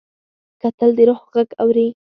کتل د روح غږ اوري